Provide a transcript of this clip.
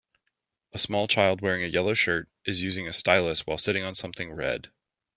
A small child wearing a yellow shirt is using a stylus while sitting on something red.